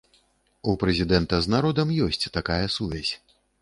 У прэзідэнта з народам ёсць такая сувязь.